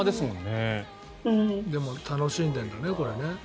でも楽しんでるんだね。